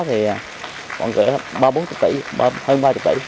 khoảng kể hơn ba mươi tỷ